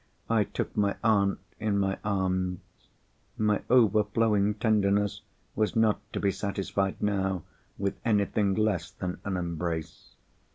I took my aunt in my arms—my overflowing tenderness was not to be satisfied, now, with anything less than an embrace.